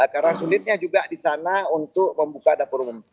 karena sulitnya juga disana untuk membuka dapur umum